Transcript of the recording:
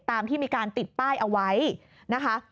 ตามที่มีการติดป้ายเอาไว้นะคะ